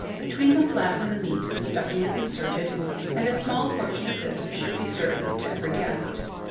Between the flap and the meat the stuffing is inserted, and a small portion of this should be served to every guest.